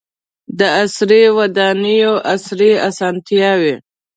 • د عصري ودانیو عصري اسانتیاوې.